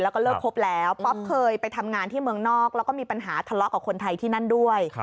แล้วก็เลิกคบแล้วป๊อปเคยไปทำงานที่เมืองนอกแล้วก็มีปัญหาทะเลาะกับคนไทยที่นั่นด้วย